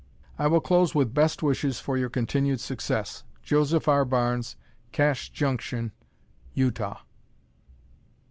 I will close with best wishes for your continued success Joseph R. Barnes, Cache Junction, Utah.